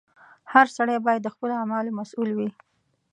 • هر سړی باید د خپلو اعمالو مسؤل وي.